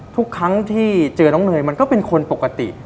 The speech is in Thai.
ทุกครั้งที่เจอน้องเนยมันก็เป็นคนปกติ